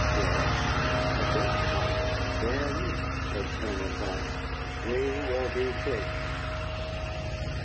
Yes, a fish might. "Then," said Colonel Clark, "we will be fish."